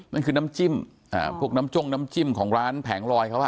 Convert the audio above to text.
นั่นคือน้ำจิ้มพวกน้ำจ้งน้ำจิ้มของร้านแผงลอยเขาอ่ะ